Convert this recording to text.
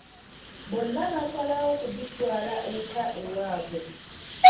Bonna basalawo okugitwala eka ewaabwe.